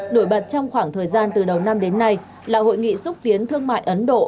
nổi bật trong khoảng thời gian từ đầu năm đến nay là hội nghị xúc tiến thương mại ấn độ